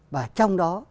và trong đó